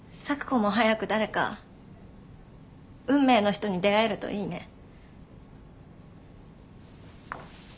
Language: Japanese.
咲子も早く誰か運命の人に出会えるといいね。